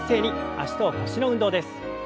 脚と腰の運動です。